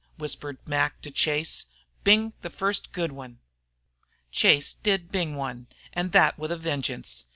Whispered Mac to Chase. "Bing the first good one!" Chase did bing one, and that with a vengeance.